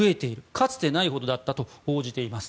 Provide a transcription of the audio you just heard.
かつてないほどだったと報じています。